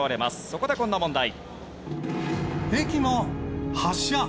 そこでこんな問題。